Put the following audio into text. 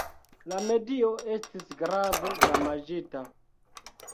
La medio estis grave damaĝita.